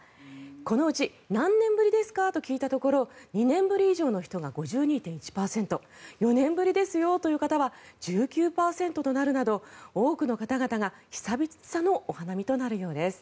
このうち何年ぶりですか？と聞いたところ２年ぶり以上の人が５２．１％４年ぶりですよという方は１９％となるなど多くの方々が久々のお花見となるそうです。